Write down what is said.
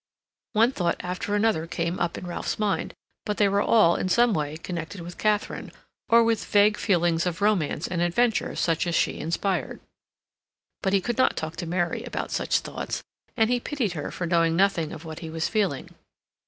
One thought after another came up in Ralph's mind, but they were all, in some way, connected with Katharine, or with vague feelings of romance and adventure such as she inspired. But he could not talk to Mary about such thoughts; and he pitied her for knowing nothing of what he was feeling.